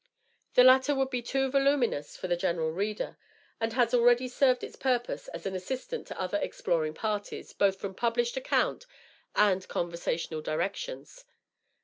The latter would be too voluminous for the general reader, and has already served its purpose as an assistant to other exploring parties, both from published account and conversational directions.